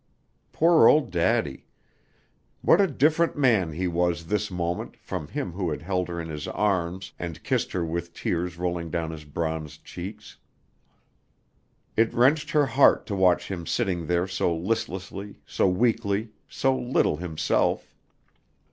Poor old daddy! What a different man he was this moment from him who had held her in his arms and kissed her with tears rolling down his bronzed cheeks. It wrenched her heart to watch him sitting there so listlessly so weakly so little himself.